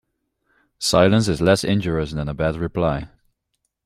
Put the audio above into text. Silence is less injurious than a bad reply.